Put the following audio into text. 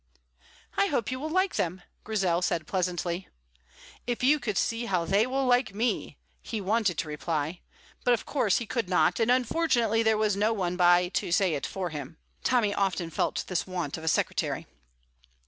"I hope you will like them," Grizel said pleasantly. "If you could see how they will like me!" he wanted to reply; but of course he could not, and unfortunately there was no one by to say it for him. Tommy often felt this want of a secretary.